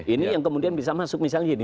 ini yang kemudian bisa masuk misalnya gini